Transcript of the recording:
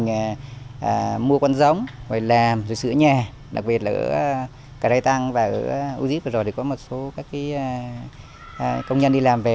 giúp cho gia đình mua con giống làm rồi sửa nhà đặc biệt là ở cái rây tăng và u díp rồi có một số công nhân đi làm về